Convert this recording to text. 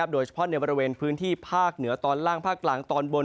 โดยเฉพาะในบริเวณพื้นที่ภาคเหนือตอนล่างภาคกลางตอนบน